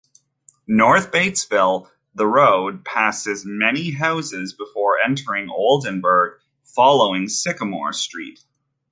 North of Batesville the road passes many house before entering Oldenburg following Sycamore Street.